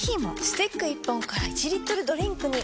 スティック１本から１リットルドリンクに！